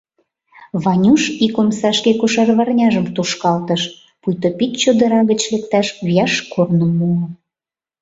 — Ванюш ик омсашке кошарварняжым тушкалтыш, пуйто пич чодыра гыч лекташ вияш корным муо.